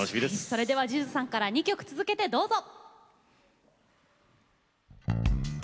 それではＪＵＪＵさんから２曲続けてどうぞ。